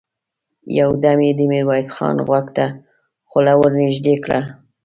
يودم يې د ميرويس خان غوږ ته خوله ور نږدې کړه!